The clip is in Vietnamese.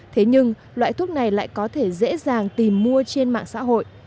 thế nhưng loại thuốc này lại có thể dễ dàng tìm mua trên mạng xã hội